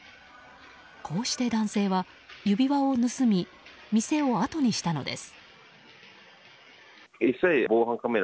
こうして男性は、指輪を盗み店をあとにしたのです。